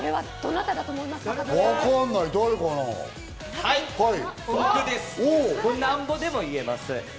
なんぼでも言えます。